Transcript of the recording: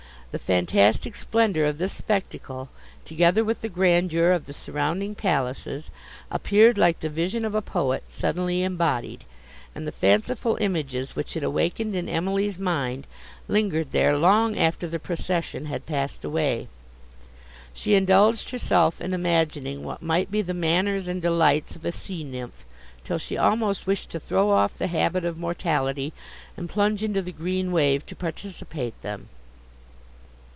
The fantastic splendour of this spectacle, together with the grandeur of the surrounding palaces, appeared like the vision of a poet suddenly embodied, and the fanciful images, which it awakened in Emily's mind, lingered there long after the procession had passed away. She indulged herself in imagining what might be the manners and delights of a sea nymph, till she almost wished to throw off the habit of mortality, and plunge into the green wave to participate them.